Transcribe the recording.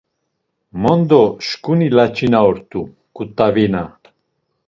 Mondo şǩuni laç̌ina ort̆u; ǩut̆avina.